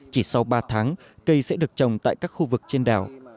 chỉ sau ba tháng cây sẽ được trồng tại các khu vực trên đảo